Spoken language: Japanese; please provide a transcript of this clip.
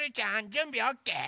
じゅんびオッケー？